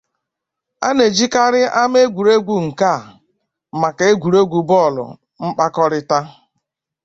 A na-ejikarị ama egwuregwu nke a maka egwuregwu bọọlụ mkpakọrịta.